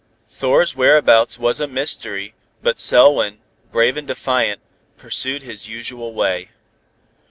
Thor's whereabouts was a mystery, but Selwyn, brave and defiant, pursued his usual way.